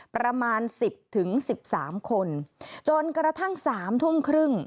ประมาณ๑๐๑๓คนจนกระทั่ง๓ทุ่มครึ่ง